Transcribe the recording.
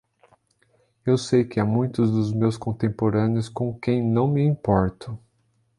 Eu sei que há muitos dos meus contemporâneos com quem não me importo.